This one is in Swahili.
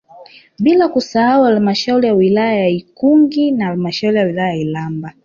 Bila kusahau Halamashauri ya wilaya ya Ikungi na halmashauri ya wilaya Iramba